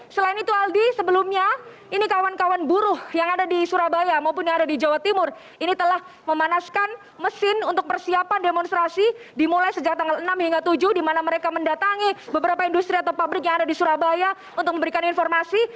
selain itu aldi sebelumnya ini kawan kawan buruh yang ada di surabaya maupun yang ada di jawa timur ini telah memanaskan mesin untuk persiapan demonstrasi dimulai sejak tanggal enam hingga tujuh di mana mereka mendatangi beberapa industri atau pabrik yang ada di surabaya untuk memberikan informasi